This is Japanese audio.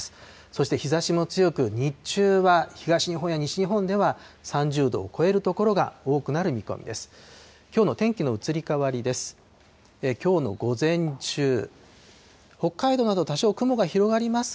そして日ざしも強く、日中は東日本や西日本では、３０度を超える所が多くなる見込みです。